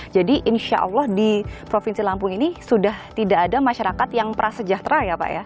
jadi insya allah di provinsi lampung ini sudah tidak ada masyarakat yang prasejahtera ya pak ya